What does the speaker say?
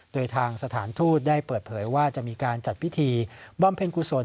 โดยทางสถานทูตได้เปิดเผยว่าจะมีการจัดพิธีบำเพ็ญกุศล